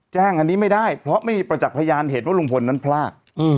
แจ้งอันนี้ไม่ได้เพราะไม่มีประจักษ์พยานเห็นว่าลุงพลนั้นพลาด